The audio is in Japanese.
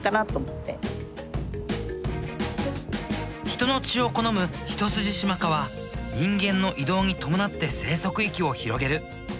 人の血を好むヒトスジシマカは人間の移動に伴って生息域を広げる。